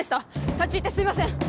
立ち入ってすいません！